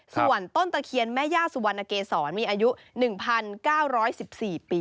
ส่วนต้นตะเคียนแม่ย่าสุวรรณเกษรมีอายุ๑๙๑๔ปี